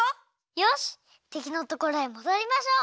よしてきのところへもどりましょう！